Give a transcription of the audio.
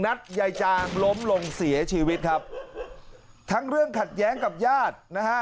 ยายจางล้มลงเสียชีวิตครับทั้งเรื่องขัดแย้งกับญาตินะฮะ